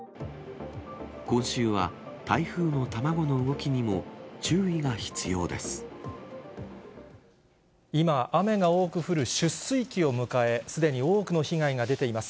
今週は台風の卵の動きにも注今、雨が多く降る出水期を迎え、すでに多くの被害が出ています。